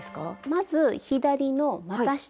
まず左のまた下。